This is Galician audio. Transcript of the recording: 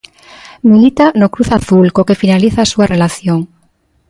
Milita no Cruz Azul co que finaliza a súa relación.